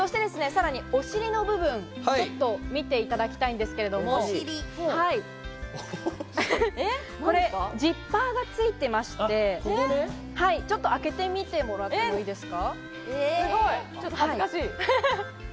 お尻の部分、ちょっと見ていただきたいんですけれど、ジッパーがついていて、ちょっと開けてみてもらっていいですか？